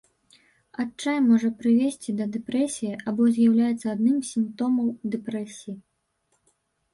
Адчай можа прывесці да дэпрэсіі або з'яўляецца адным з сімптомаў дэпрэсіі.